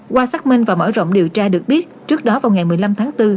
qua xác minh và mở rộng điều tra được biết trước đó vào ngày một mươi năm tháng bốn